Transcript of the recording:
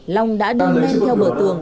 long đã đứng ngay theo bờ tường